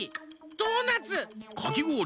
ドーナツ。